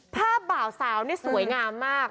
ภาพเบาสาวนี่สวยงามมาก